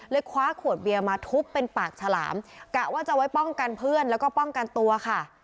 คว้าขวดเบียร์มาทุบเป็นปากฉลามกะว่าจะไว้ป้องกันเพื่อนแล้วก็ป้องกันตัวค่ะ